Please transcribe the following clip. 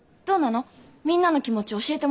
みんなの気持ち教えてもらいたいの。